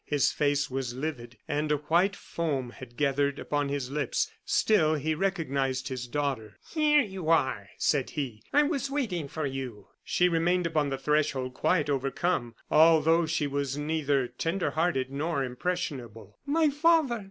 His face was livid, and a white foam had gathered upon his lips. Still, he recognized his daughter. "Here you are," said he. "I was waiting for you." She remained upon the threshold, quite overcome, although she was neither tender hearted nor impressionable. "My father!"